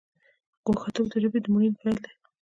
ګوښه توب د ژبې د مړینې پیل دی.